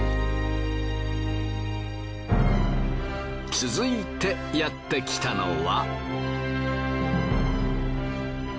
続いてやってきたのは。